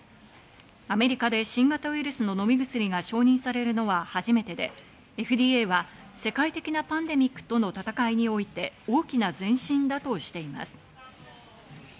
アメリカで新型ウイルスの飲み薬が承認されるのは初めてで、ＦＤＡは世界的なパンデミックとの闘いにおいて大きな前進だとしています。